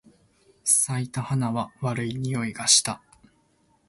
咲いた花は悪い匂いがした。